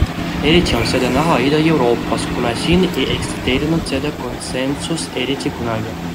Eriti on seda näha Ida-Euroopas, kuna siin ei eksisteerinud seda konsensust eriti kunagi.